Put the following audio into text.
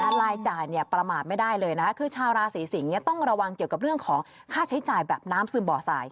รายจ่ายเนี่ยประมาทไม่ได้เลยนะคะคือชาวราศีสิงศ์เนี่ยต้องระวังเกี่ยวกับเรื่องของค่าใช้จ่ายแบบน้ำซึมบ่อสาย